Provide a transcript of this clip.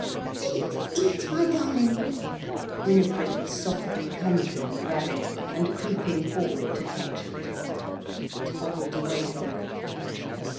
"Eat, eat my darling!" Winifred was softly conjuring the rabbit, and creeping forward to touch it. It hobbled away from her.